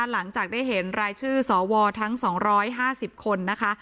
หลังจากได้เห็นรายชื่อสวทั้ง๒๕๐คนนะคะ